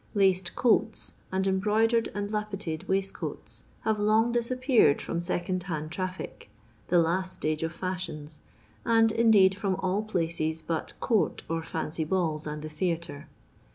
Laced coats, and em broidered and lappeted waistcoats, have long dis appeared from second hand traffic — the last stage of fashions — and indeed from all places but court or foncy balb and the theatre.